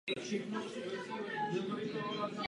Proto jsme se rozhodli zprávu podpořit.